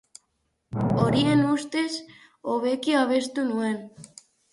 Horien ustez, hobeki abestu nuen.